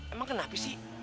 emang kenapa sih